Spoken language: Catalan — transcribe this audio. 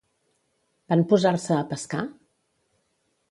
Van posar-se a pescar?